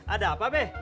ada apa be